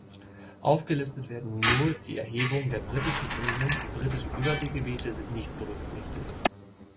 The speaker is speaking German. Aufgelistet werden nur die Erhebungen der Britischen Inseln, die Britischen Überseegebiete sind nicht berücksichtigt.